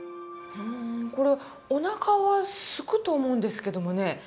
これおなかはすくと思うんですけどもね。